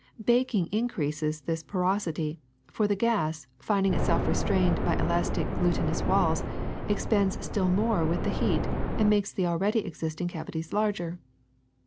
Baking increases this porosity, for the gas, finding itself restrained by elastic glutinous walls, expands still more with the heat and makes the already existing cavities larger.